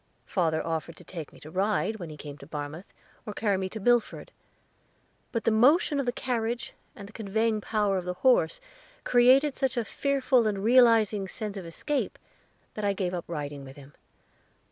Father offered to take me to ride, when he came to Barmouth, or carry me to Milford; but the motion of the carriage, and the conveying power of the horse, created such a fearful and realizing sense of escape, that I gave up riding with him.